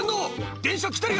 電車来てるよ！